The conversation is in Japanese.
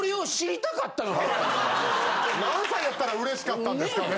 何歳やったら嬉しかったんですかね？